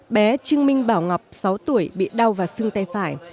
bé trương minh bảo ngọc sáu tuổi bị đau và sưng tay phải